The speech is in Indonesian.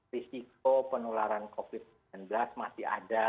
risiko penularan covid sembilan belas masih ada